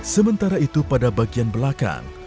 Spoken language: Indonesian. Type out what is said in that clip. sementara itu pada bagian belakang